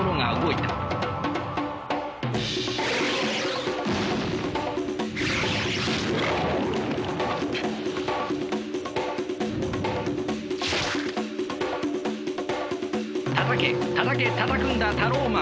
たたけたたけたたくんだタローマン！